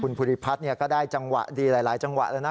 คุณภูริพัฒน์ก็ได้จังหวะดีหลายจังหวะแล้วนะ